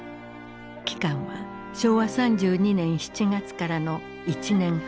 期間は昭和３２年７月からの１年半。